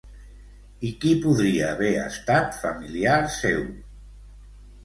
I qui podria haver estat familiar seu?